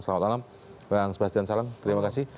selamat malam bang sebastian salam terima kasih